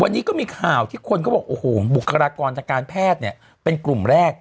วันนี้ก็มีข่าวที่คนเขาบอกโอ้โหบุคลากรทางการแพทย์เนี่ยเป็นกลุ่มแรก